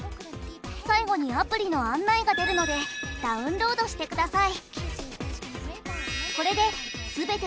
最後にアプリの案内が出るのでダウンロードしてください。